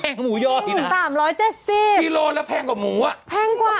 แพงหมูยอดอีกน่ะสามร้อยเจสสิบกิโลแล้วแพงกว่าหมูอ่ะแพงกว่า